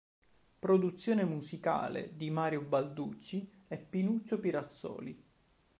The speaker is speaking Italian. Produzione Musicale di Mario Balducci e Pinuccio Pirazzoli.